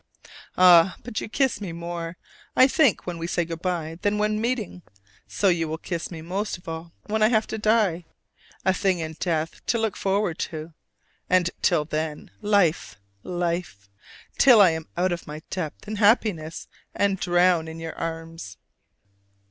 Ah, but you kiss me more, I think, when we say good by than when meeting; so you will kiss me most of all when I have to die: a thing in death to look forward to! And, till then, life, life, till I am out of my depth in happiness and drown in your arms!